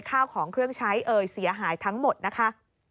ข้าวของเครื่องใช้เอ่ยเสียหายทั้งหมดนะคะ